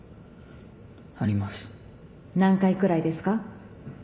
何回くらいですか？